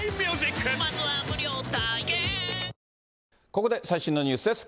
ここで最新のニュースです。